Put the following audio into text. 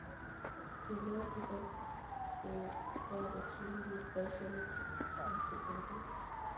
kilyan si kuukochini biik boisionik che chang' sigiriet